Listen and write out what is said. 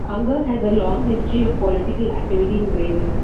Unger has a long history of political activity in Brazil.